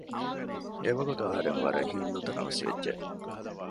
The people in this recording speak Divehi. އެވަގުތު އަހުރެން ވަރަށް ހިތް ނުތަނަވަސް ވެއްޖެ